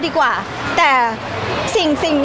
พี่ตอบได้แค่นี้จริงค่ะ